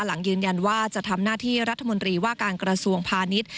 หลังยืนยันว่าจะทำหน้าที่รัฐมนตรีว่าการกระทรวงพาณิชย์